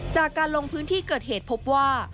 จากการลงพื้นที่เกิดเหตุพบว่า